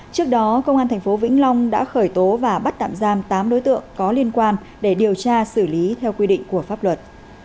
trước đó công an tp vĩnh long đã khởi tố và bắt tạm giam tám đối tượng có liên quan để điều tra xử lý theo quy định của pháp luật